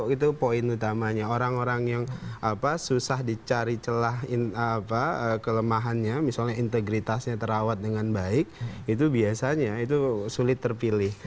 itu poin utamanya orang orang yang susah dicari celah kelemahannya misalnya integritasnya terawat dengan baik itu biasanya itu sulit terpilih